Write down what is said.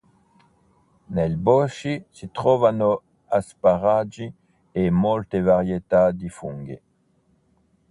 Nei boschi si trovano asparagi e molte varietà di funghi.